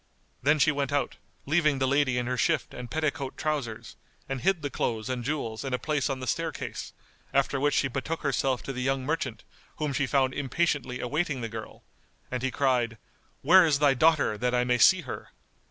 Then she went out, leaving the lady in her shift and petticoat trousers, and hid the clothes and jewels in a place on the staircase; after which she betook herself to the young merchant, whom she found impatiently awaiting the girl, and he cried, "Where is thy daughter, that I may see her?"